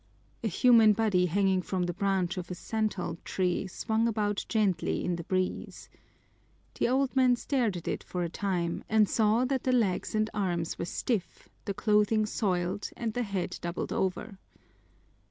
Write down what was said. A human body hanging from the branch of a santol tree swung about gently in the breeze. The old man stared at it for a time and saw that the legs and arms were stiff, the clothing soiled, and the head doubled over.